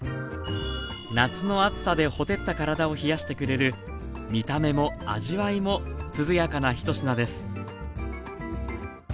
夏の暑さでほてった体を冷やしてくれる見た目も味わいも涼やかな一品です